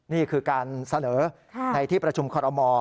นี่คือการเสนอในที่ประชุมคอรมอล